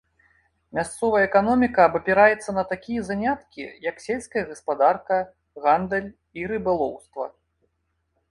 Мясцовая эканоміка абапіраецца на такія заняткі, як сельская гаспадарка, гандаль і рыбалоўства.